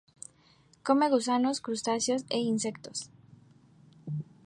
Come gusanos, crustáceos y insectos.